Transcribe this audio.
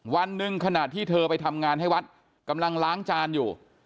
วันหนึ่งขณะที่เธอไปทำงานให้วัดกำลังล้างจานอยู่